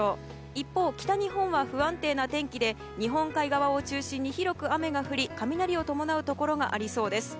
一方、北日本は不安定な天気で日本海側を中心に広く雨が降り雷を伴うところがありそうです。